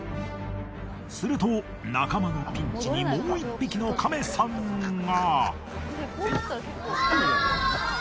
すると仲間のピンチにもう１匹のカメさんが。